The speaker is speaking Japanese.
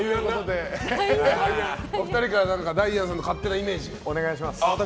お二人からダイアンさんの勝手なイメージ。